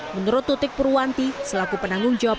menurut tutik purwanti selaku penanggung jawab